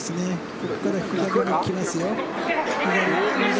そこから左に来ますよ。